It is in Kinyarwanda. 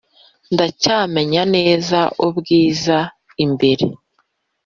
ndacyamenya neza ubwiza imbere,